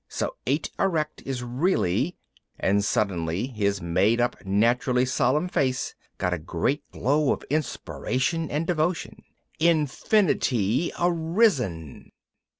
So eight erect is really " and suddenly his made up, naturally solemn face got a great glow of inspiration and devotion "Infinity Arisen!"